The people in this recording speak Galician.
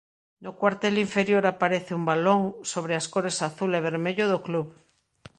No cuartel inferior aparece un balón sobre as cores azul e vermello do club.